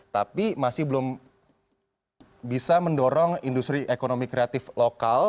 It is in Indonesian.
tapi masih belum bisa mendorong industri ekonomi kreatif lokal